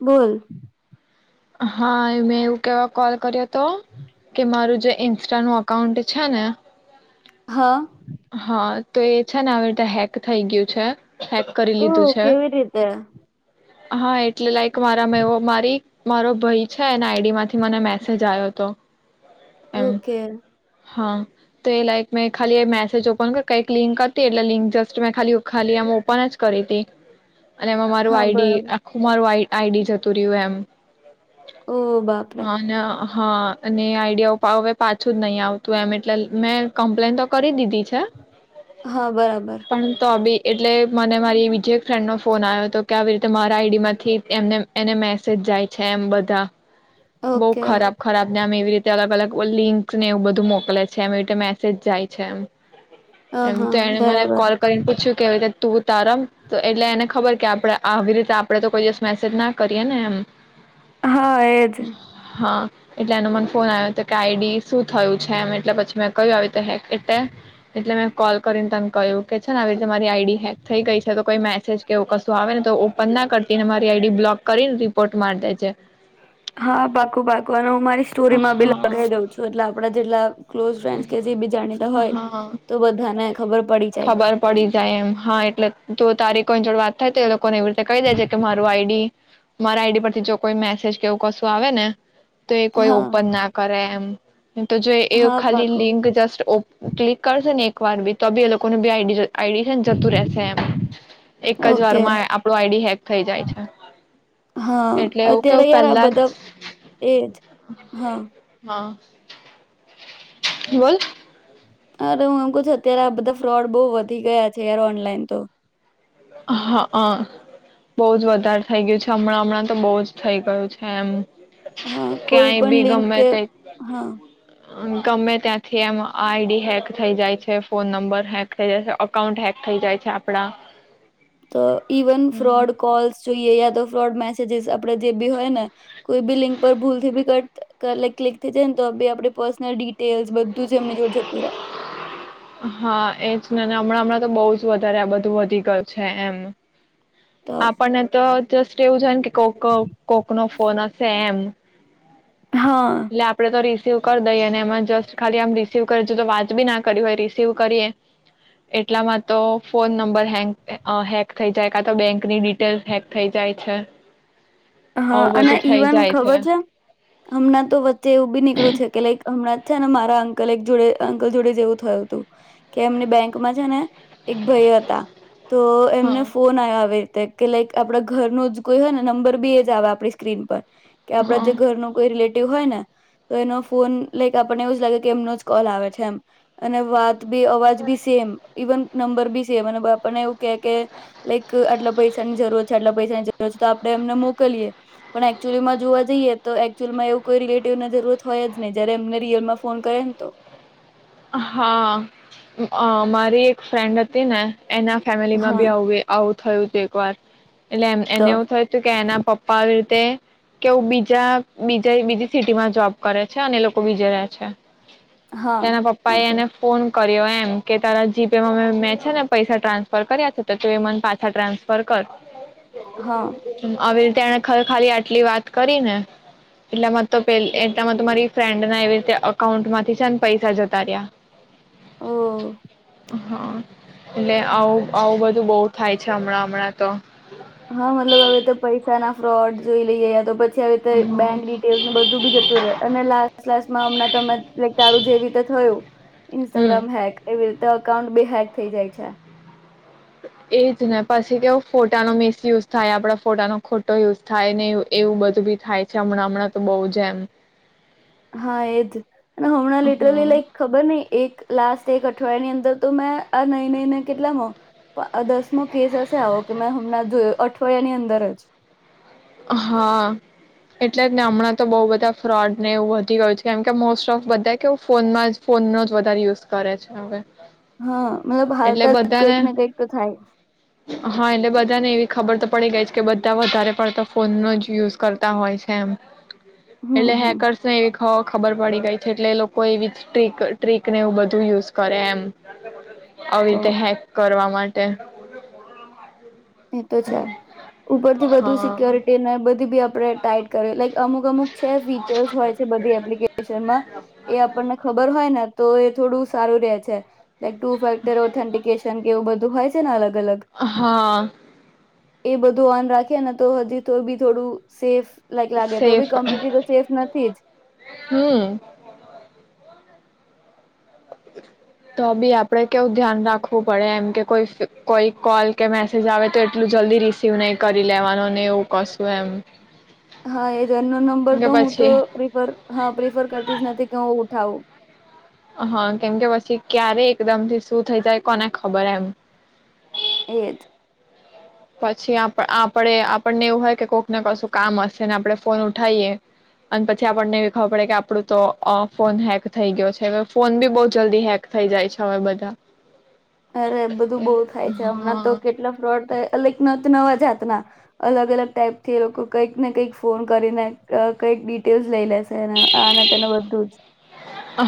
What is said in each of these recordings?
બોલ. હા મેં એવું કેવા કોલ કર્યો તો કે મારું જે ઇન્સ્ટાનું અકાઉન્ટ છે ને હા. હા તો એ છે ને આવી રીતે હેક થઈ ગયું છે. હેક કરી ઓ લીધું છે કેવી રીતે? હા એટલે લાઈક મારામાં એવો મારી મારો ભઈ છે એના આઈડીમાંથી મને મેસેજ આવ્યો હતો. એમ ઓકે. હા તો લાઈક મે ખાલી એ મે સેજ ઓપન કઈક લિંક હતી એટલે લિંક જસ્ટ મેં ખાલી ખાલી એમાં ઓપન જ કરીતી. અને એમાં મારું હા આઈડી બરાબર આખું મારું આઈ આઈડી જતું રહ્યું એમ. ઓહ બાપ રે. હા ને હા અને એ આઈડિયા હવે પાછું જ નહી આવતું એમ એટલે મેં કમ્પ્લેન તો કરી દીધી છે. છે. હા બરાબર. એટલે મને મારી બીજી એક ફ્રેન્ડ નો ફોન આવ્યો હતો કે આવી રીતે મારા આઈડી માંથી એમને એને મેસેજ જાય છે એમ બધા બહુ ઓકે હ ખરાબ ખરાબનેમ એવી રીતે તે અલગ-અલગ લિંકસ ને એવું બધું મોકલે છે એમ એતે મેસેજ જાય છે એમ એમ હા તો એને મને બરાબર કોલ કરીને પૂછ્યું કે તું તારમ એટલે એને ખબર કે આપડે આવી રીતે આપડે તો કોઈ દિવસ મેસેજ ના કરીએ ને એમ હા એજ હા એટલે એનો મને ફોન આવ્યો હતો કે આઈડી શું થયું છે એમ એટલે પછી મેં કહયું આવી રીતે હેક એટલે એટલે મેં કોલ કરીને તને કહ્યું કે છે ને આવી રીતે મારી આઈડી હેક થઈ ગઈ છે તો કોઈ મેસેજ કેવું કશું આવે ને તો ઓપન ના કરતી ને મારી આઈડી બ્લોક કરીને રિપોર્ટ મારી દે છે. હા પાકુ પાકું હું મારી સ્ટોરી માં બી હા લગી જાઉં છું એટલે આપડા જેટલા ક્લોઝ ફ્રેન્ડ કે છે એ બી જાણીતા. હોય હા તો બધાને ખબર પડી જાય ખબર પડી જાય એમ હા એટલે તો તારીખ કોઈ જોડે વાત થાય તે લોકો પણ એવી રીતે કહી દે જે કે મારું આઈડી મારા આઈડી પરથી જો કોઈ મેસેજ કેવું કશું આવે ને તો એ કોઈ હા ઓપન ના કરે એમ તો જો એ હા ખાલી પાકું લિંક જસ્ટ ઓ ક્લિક કરશે ને એક વાર બી તો બી એ લોકો ન બી આઈડી જ આઈડી છે ને જતું રશે એમ એક જ ઓકે વારમાં આપડુ આઈડી હેક થઈ જાય છે હા એટલે એવું અત્યારે કેવું યાર આ પહેલા જ, બધા એજ હા હા. બોલ. અરે, હું એમ કઉ છું અત્યારે આ બધા ફ્રોડ બહુ વધી ગયા છે યાર ઓનલાઈન તો. હા, હ બહુ જ વધારે થઇ ગયું છે હમણાં હમણાં તો બહુ જ થઇ ગયું છે એમ. હા, કોઈ ક્યાંય પણ લિંક કે, હા. અન ગમે ત્યાંથી આમ આઈડી હેક થઇ જાય છે, ફોન નંબર હેક થઇ જાય છે, અકાઉન્ટ હેક થઇ જાય છે આપડા. તો ઇવન ફ્રોડ કોલસ જોઈએ યા તો ફ્રોડ મેસેજીસ આપડે જે બી હોય ને કોઈ બી લિંક પર ભૂલથી બી કટ કર ક્લિક થઈ જાય ને તો બી આપ પર્સનલ ડિટેલ્સ બધું જ એમને જો જતું રહે. હા, એજ હમણાં હમણાં તો બહુ જ વધારે આ બધું વધી ગયું છે એમ તો આપણને તો જસ્ટ એવું છ ને કે કો કવ કોકનો ફૉન હશે એમ. હા એટલે આપડે તો ર રિસીવ કરી દઈએ અને એમાં જસ્ટ ખાલી આમ રિસીવ કરે હજું તો વાત બી ના કરી હોય. રિશીવ કરીએ એટલામાં તો ફોન નંબર હે હેક થઈ જાય કા તો બેંકની ડિટેલ હેક થઈ જાય છે. હા આવું અને બધું થઈ ઇવન જાય ખબર છે હમણાં તો વચ્ચે એવું બી નીકળ્યું છે કે લાઈક હમણાં છે ને મારા અંકલ એક જોડે અંકલ જોડે જેવું થયું હતું કે એમની બેંકમાં છે ને એક ભાઈ હતા તો એમને હા ફોન આયા આવે કે લાઈક આપડા ઘર નુ જ કોઈય ને નંબર બી આવે આપણી સ્ક્રીન પર કે આપડા હા જે ઘર ન કોઈ રિલ હોયને તો એ ફોન લાઈક આપને એવું લાગે કે એમનો જ કોલ આવે છે એમ અને વાત બી અવાજ બી સેમ ઇવન નંબર બી સેમ અને આપણને એવું કે કે લાઈક આટલા પૈસા ની જરૂર છે આટલા પૈસાની જરૂરત છે તો આપડે એમને મો મોકલીએ પણ એકચુઅલીમાં જોવા જઈએ તો એકચુઅમાં એવું કોઈ રિલેટિવની જરૂરત હોય જ નહી જયારે એમને રિયલમાં ફોન કરે ને તો હા મારી એક ફ્રેન્ડ હતી ને એના ફેમિલીમાં હા બી આવું થયું હતું એક વાર એટલે તો એને એવું થયું હતું કે એના પપ્પા તે કેવું બીજા બીજા બીજી સિટી માં જોબ કરે છે અને લોકો બીજે રહે છે હા પાય ઓકે એને ફોન કર્યો એમ કે તારા જીપેમાં મેં છે ને પૈસા ટ્રાન્સફર કર્યા છે, તો તું એ મને પાછા ટ્રાન્સફર કર. હા આવે તેણે ખરે ખાલી આટલી વાત કરી ને, એટલામાં તો પે એટલામાં તો મારી ફ્રેન્ડ ના એવી રીતે અકાઉન્ટ માંથી છે ને પૈસા જ તાર્યા. ઓ! હા, એટલે આવું આવું બધું બહુ થાય છે હમણાં હમણાં તો. હા મતલબ હવે તો પૈસા ના ફ્રોડ જોઈ લઈ જયા તો પ ત્યારે તો એ બેંક ડિટેઇલ ને બધું બી જતું રહેે અને લાસ્ટ લાસમાં હમણાં તમે ચાલુ જેવી રીતે થયું, હમ ઇન્સ્ટાગ્રામ હેક એવી રીતે અ અકાઉન્ટ બી હેક થઈ જાય છે. એજ ને પછી કેવ ફોટાનો મિસ યુઝ થાય, આપણા ફોટાનો ખોટો યુઝ થાય ને એવું બધું બી થાય છે હમણાં હમણાં તો બહુ જ એમ. હા એજ અને હમણાં લિટરલી લાઈક ખબર નહી એક લાસ્ટ એક અઠવાડિયા ની અંદર તો મેં આ નહી નઈને કેટલામાં દસ મો કેસ હશે આવો, કે મેં હમણાં જો અઠવાડિયાની અંદર જ હા એટલે જ ને હમણાં તો બઉ બધા ફ્રોડ નેવુ વધી ગઈ કેમ કે મોસ્ટ ઓફ બધા કેવું ફોનમાં જ ફોનનો જ વધારે યુઝ કરે છે હવે. હા મતલબ એટલે હાલતા જ કંઈક બધાને ને કંઈક તો થાય. હા એટલે બધા ને એવી ખબર તો પડી ગઈ છે કે બધા વધારે પડતા ફોનનો જ યુઝ કરતા હોય સેમ. હમ એટલે હમ હેકર્સ એવીક. હ ખબર પડી ગઈ છે એટલે લોકો એવી ટ્રીક ટ્રીકને એવું બધું યુઝ કરે એમ. આવી તો રીતે હેક કરવાવામાં. માટે. એ તો છે ઉપર થી બધું હા સિક્યોરિટીને બી આપણે ટાઈટ કરે લાઈક અમુક-અમુક છે ફીચર્સ હોય છે બધી એપ્લિકેશનમાં એ આપણને ખબર હોય ને તો એ થોડું સારું રેહ છે. લાઈક ટુ ફેક્ટર ઓથેન્ટિકેશન કે એવું બધું હોય છે. છે ને અલગ. અલગ હા. એ બધું ઓન રાખીયે ને તો હજી તો બી થોડું સેફ લાઈક લાગે તો બી સેફ કોમ્પિટેબલ તો સેફ નથી જ. હમ તો બી આપડે કેવું ધ્યાન રાખવું પડે એમ કે કોઈ કોઈ કોલ કે મેસેજ આવે તો એટલું જલ્દી રિસીવ નહી કરી લેવાનો ને એવું કશું એમ. હા એ ઘરનો નંબર કે તો હું તો પછી પ્રિફર હા પ્રિફર કરતી જ નથી કે હું ઉઠાવું. હા કેમ કે પછી ક્યારે એકદમ થી શું થઇ જાય કોને ખબર એમ. એદ. પછી આપ આપણે આપણને એવું હોય કે કોઈકને કશું કામ હશેને આપણે ફોન ઉઠાઈએ અને પછી આપણને એવી ખબર પડે કે આપડું તો ફોન હેક થઈ ગયો છે ફોન બી બવ જલ્દી હેક થઈ જાય છે હવે બધા. અરે બધું બઉ થાય છે હમણાં તો કેટલા ફ્રોડ થાય અલ નત નવા જાતના અલગ અલગ ટાઈપ થી એ લોકો કંઈક ને કંઈક ફોન કરીને કંઈક ડિટેલ્સ લઈ લે. એને આને તેનું બધું જ.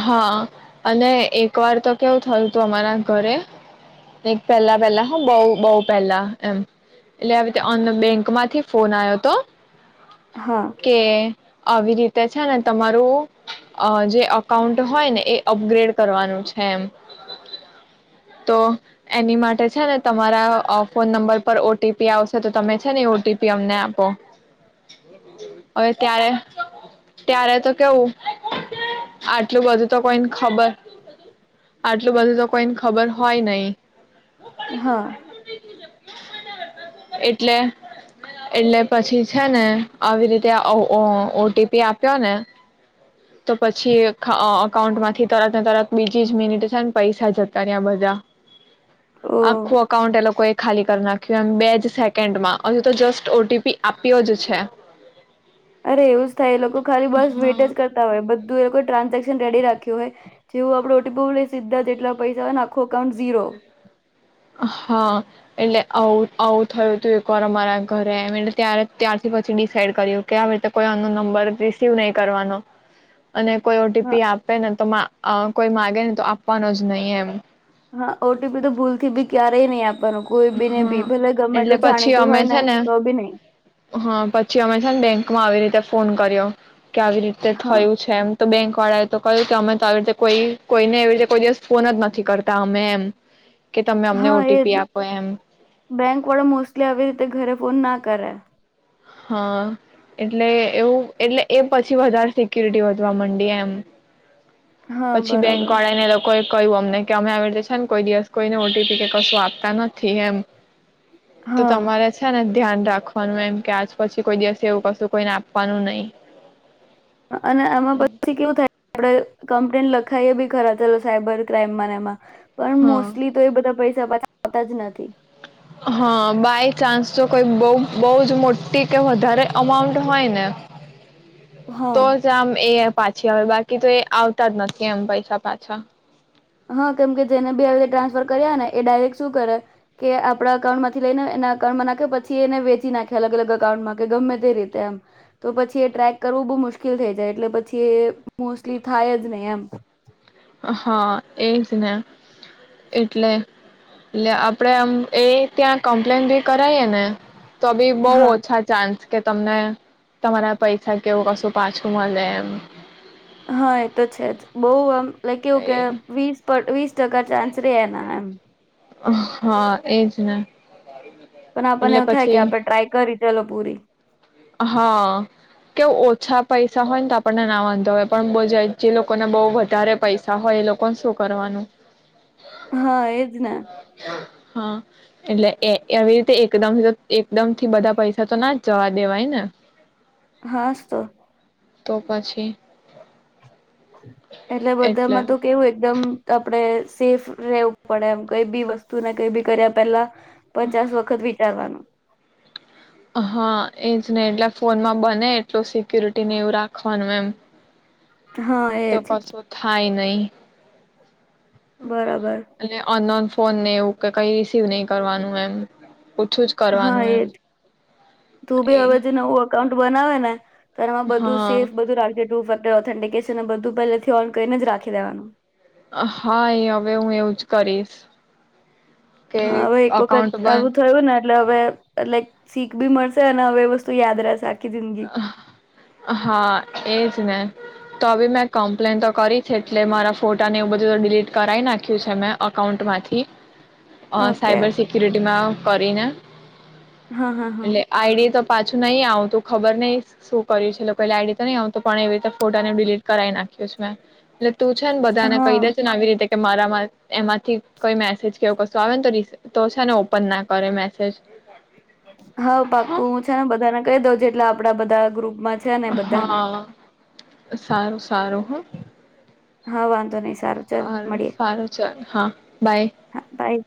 હા. હા અને એક વાર તો કેવું થયું હતું અમારા ઘરે પહેલા પહેલા હ બવ બવ પહેલા એમ એટલે આવી રીતે બેંક માંથી ફોન આવ્યો હતો. હા કે. આવી રીત તે છેને તમારું અ જે અકાઉન્ટ હોય ને એ અપગ્રેડ કરવાનું છે એમ. તો એની માટે છે ને તમારા અ ફોન નંબર પર ઓટીપી આવશે તો તમે છે ને એ ઓટીપી અમને આપો. હવે ક્યારે ત્યારે તો કેવું આટલું બધું તો કોઈને ખબર આટલું બધું તો કોઈને ખબર હોય નય. હા. એટલે એટલે પછી છે ને આ રીતે ઓ ઓ ટીપી આપ ક ને. તો પછી ખ અ અકાઉન્ટ માંથી તરત ને તરત બીજી જ મિનિટ છે ને પૈસા જતા રયા બધા. ઓ આખું અકાઉન્ટ એ લોકોએ ખાલી કરી નાખ્યું એમ બે જ સેકન્ડ માં હજુ તો જસ્ટ ઓટીપી આપ્યો જ છે. અરે એવું જ થાય એ લોકો ખાલી બસ વેટ હા જ કરતા હોય. એ લોકો ટ્રાન્ઝેક્શન રેડી રાખ્યું હોય જેવું આપડો ઓટીપી સીધા જેટલા પૈસા હોય ને આખું અકાઉન્ટ ઝીરો. હા એટલે આવ આવું થયું તું એક વાર અમારા ઘરે એમ એટલે ત ત્યારથી પછી ડિસાઈડ કર્યું કે આવી રીતે કોઈ આનો નંબર રિસીવ નહી કરવાનો. અને કોઈ હા ઓટીપી આપે ને તો અ કોઈ માગે ને તો આપવાનો જ નહી એમ. હા ઓટીપી તો ભૂલથી ભી ક્યારે ને આપ હા એટલે પછી જાણીતું અમે હોય છે ને તો બી નહી હા પછી અમે છે ને બેંક માં આવી રીતે ફોન કર્યો કે આવી રીતે હા થયું છે એમ તો બેંક વાળા એ તો કહ્યું કે અમે તો આવી રીતે કોઈ કોઈને એવી રીતે કોઈ દિવસ ફોન જ નથી કરતા અમે એમ કે તમે અમને હા એજ ઓટીપી આપ બેંક વાળા મોસ્ટલી આવી રીતે ઘરે ફો ના કરે હા એટલે એવું એટલે એ પછી વધારે સિક્યુરિટી વધવા માંડી એમ હા પછી બેંક બરાબર વાળી ને લોકો કયું અમને કે અમે આવી રીતે છે ને કોઈ દિવસ કોઈને ઓટીપી કે કશું આપતા નથી એમ તો હા તમારે છે ને ધ્યાન રાખવાનું એમ કે આજ પછી કોઈ દિવસે એવું કશું કોઈને આપવાનું નહીિ અને આમાં પછી કેવું થાય આપડે કમ્પ્લેન લખાઈએ બી ખરા ચલો સાયબર ક્રાઈમ મને એમાં પણ હા મોસ્ટલી તો એ બધા પૈ જ આવતા જ નથી હા બાય ચાન્સ તો કોઈ બ બહ જ મોટી કે વધારે અમાઉન્ટ હોય ને તો હા જામ એ પાછી હવે બાકી તો એ આવતા જ નથી એમ પૈસા પાછા હા કેમ કે જેને બે આવી રીતે ટ્રાન્સફર કર્યા ને એ ડાયરેક્ટ શું કરે કે આપણા અકાઉન્ટમાંથી લઈને એના અકાઉન્ટમાં નાખે પછી એને વેચી નાખે અલગ અલગ અકાઉન્ટમાં કે ગમે તે રીતે એમ તો પછી એ ટ્રેક કરવું બહુ મુશ્કેલ થઈ જાય એટલે પછી એ મોસ્ટલી થાય જ નહીિ એમ હા એજ ને એટલે એટલે આપડે આમ એ ત્યાં કમ્પ્લેન ભી કરાઈએ ને તો બી બહુ હા ઓછા ચાન્સ કે તમને તમારા પૈસા કેવું કશું પાછું મળે એમ હા એ તો છે જ બહ આમ લઈ કેવકે વીસ વીસ કા ચાન્સ ર એના હા એજ ને પણ આપણને એટલે એવું થાય કે પછી આપણે ટ્રાય કરી ચલો પૂરી હા કેવ ઓછા પૈસા હોય ને તો આપણને ના વાંધો હોય પણ બ જે લોકોને બહુ વધારે પૈસા હોય એ લોકોને શું કરવાનું હા એદ ના હા એટલે એવી રીતે એકદમ એકદમ થી બધા પૈસા તો ના જ જવા દેવાય ને હાતો તો પછી એટલે બધામાં તો કેવું એકદમ આપડે સેફ રહેવું પડે એમ કઈ બી વસ્તુ ને કઈ બી કર્યા પહેલા પચાસ વખત વિચારવાનું. હા એજ ને એટલે ફોનમાં બને એટલુ સિક્યુરિટીને એવું રાખવાનું એમ. હા તો એજ કશો થાય ની બરાબર નહીં અને અનંત ફોનને એવું કે કંઇ રિસીવ નહી કરવાનું એમ ઓછું જ હા કરવાનું એમ એજ તું બી એ હવે જે નવું અકાઉન્ટ બનાવે ને તો એમાં બધું હા સેફ બધું રાખજે [inaudible] તો ઓથેન્ટિક એસિને બધું પહેલેથી ઓન કરીને જ રાખી દેવાનું. હા એ હવે હું એવું જ કરીશ. કે હા હવે એક વખત અકાઉન્ટ આવું બંધ થયું ને એટલે હવે લાઈક શીખ બી મળશે અને હવે વસ્તુ યાદ રહેશે આ હા એ જ ને તો હવે મેં કમ્પ્લેન તો કરી છે. એટલે મારા ફોટાને એવું બધું તો ડિલીટ કરાઈ નાખ્યું છે મેં અકાઉન્ટમાંથી અ ઓકે સાયબર સિક્યુરિટીમાં કરી ને હા હા હા એટલે આઈડી તો પાછું નહીં આવતું ખબર નહિ શું કર્યું છે લોકો આઈડી તો નહીં તો પણ એવી રીતે ફોટાને ડિલીટ કરાઈ નાખ્યું છે મેં એટ તું છે ને બધાને હા કહી દેજે ને આવી રીતે કે મારામાં એમાંથી કંઇ મેસેજ કે એવું કશું આવે ને તો રીસીવ તો છે ને ઓપન ના કરે મેસેજ હા પાકુ હું છે ને બધાને કહી દઉં જેટલા આપણા બધાં ગ્રુપ હહ સારું સારું હ હા વાંધો નહીં સારું સારું ચલ હા બાય હા બાય